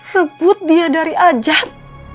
rebut dia dari ajah